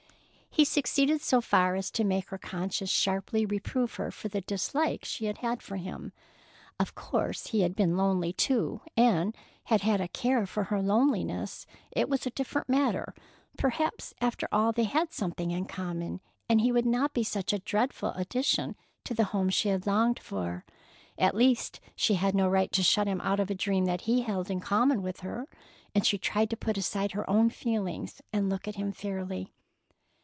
He succeeded so far as to make her conscience sharply reprove her for the dislike she had for him. Of course if he had been lonely, too, and had had a care for her loneliness, it was a different matter. Perhaps, after all, they had something in common, and he would not be such a dreadful addition to the home she had longed for. At least, she had no right to shut him out of a dream that he held in common with her, and she tried to put aside her own feelings and look at him fairly.